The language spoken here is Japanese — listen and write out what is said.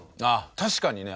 確かにね。